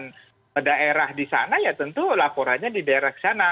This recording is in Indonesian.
nah daerah di sana ya tentu laporannya di daerah sana